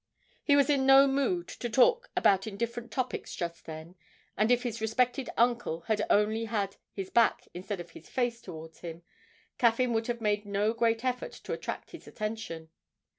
He was in no mood to talk about indifferent topics just then, and if his respected uncle had only had his back instead of his face towards him, Caffyn would have made no great effort to attract his attention.